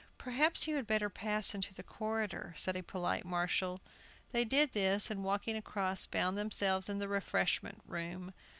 "Perhaps you had better pass into the corridor," said a polite marshal. They did this, and, walking across, found themselves in the refreshment room.